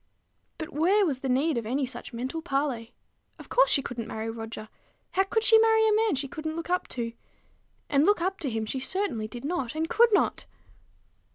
But where was the need of any such mental parley? Of course, she couldn't marry Roger. How could she marry a man she couldn't look up to? And look up to him she certainly did not, and could not.